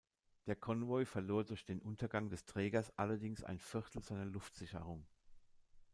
Der Konvoi verlor durch den Untergang des Trägers allerdings ein Viertel seiner Luftsicherung.